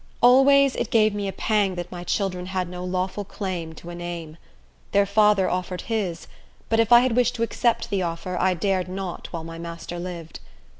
Always it gave me a pang that my children had no lawful claim to a name. Their father offered his; but, if I had wished to accept the offer, I dared not while my master lived.